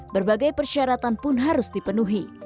berbagai persyaratan pun harus dipenuhi